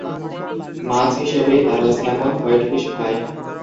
মাছ হিসেবে তারা salmon, white fish খায়।